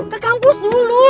ke kampus dulu